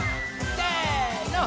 せの。